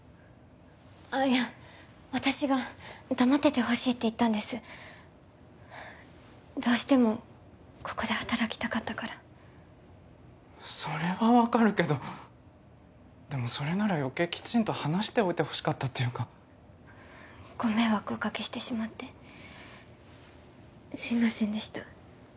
あいや私が黙っててほしいって言ったんですどうしてもここで働きたかったからそれは分かるけどでもそれなら余計きちんと話しておいてほしかったっていうかご迷惑をおかけしてしまってすいませんでした